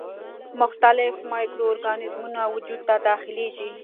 مختلف مایکرو ارګانیزمونه وجود ته داخليږي.